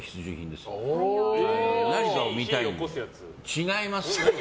違います！